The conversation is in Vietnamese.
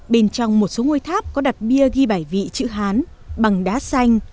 bên trong một số ngôi tháp có đặt bia ghi bài vị chữ hán bằng đá xanh